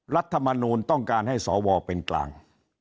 รัฐมนูลต้องการให้สวเป็นกลาง